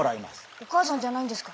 お母さんじゃないんですか？